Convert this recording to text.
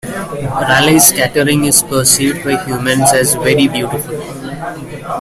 Raleigh scattering is perceived by humans as very beautiful.